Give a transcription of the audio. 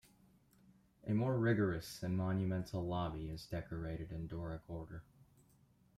A more rigorous and monumental lobby is decorated in Doric order.